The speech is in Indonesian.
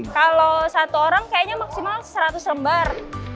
kalau satu orang kayaknya maksimal seratus lembar